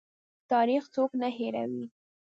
تاریخ څوک نه هیروي؟